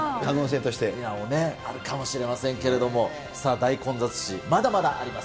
あるかもしれませんけれども、さあ大混雑史、まだまだあります。